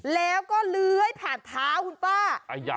แล้วก็เลื้อยผ่านเท้าคุณป้า